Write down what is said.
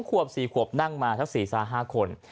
ไว้๒๔นั่งมาทักษิศาสตร์๕คน